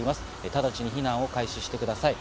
直ちに避難を開始してください。